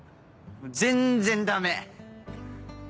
全然ダメ！